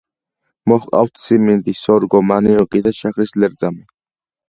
მოჰყავთ სიმინდი, სორგო, მანიოკი და შაქრის ლერწამი.